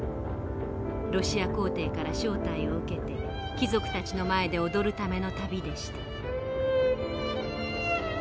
ロシア皇帝から招待を受けて貴族たちの前で踊るための旅でした」。